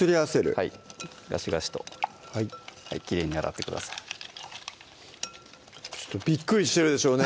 はいガシガシとはいきれいに洗ってくださいびっくりしてるでしょうね